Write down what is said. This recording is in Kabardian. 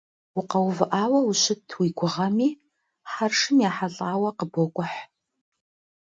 Укъэувыӏауэ ущыт уи гугъэми, хьэршым ехьэлӏауэ къыбокӏухь.